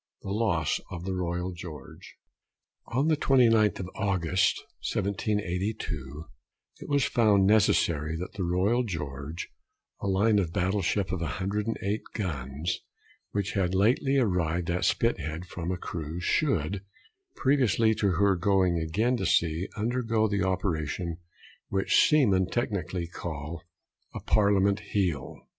THE LOSS OF THE ROYAL GEORGE. On the 29th of August, 1782, it was found necessary that the Royal George, a line of battle ship of 108 guns, which had lately arrived at Spithead from a cruise, should, previously to her going again to sea, undergo the operation which seamen technically call a Parliament heel.